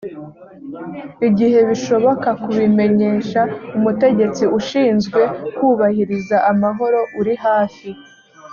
igihe bishoboka kubimenyesha umutegetsi ushinzwe kubahiriza amahoro uri hafi